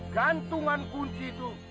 gantungan kunci itu